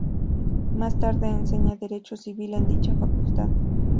Más tarde enseña Derecho Civil en dicha facultad.